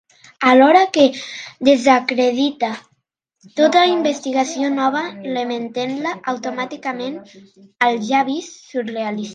Alhora que desacredita tota investigació nova remetent-la automàticament al ja vist surrealista.